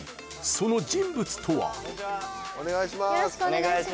その人物とは。